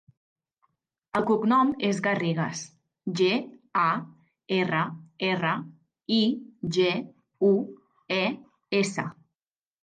El cognom és Garrigues: ge, a, erra, erra, i, ge, u, e, essa.